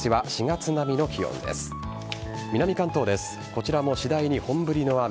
こちらも次第に本降りの雨。